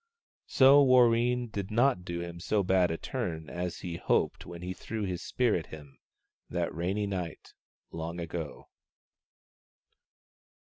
So Warreen did not do him so bad a turn as he hoped when he threw his spear at him that rainy night long ago.